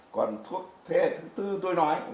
còn thuốc thế hệ thứ tư tôi nói